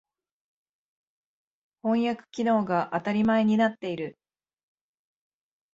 翻訳機能が当たり前になっている。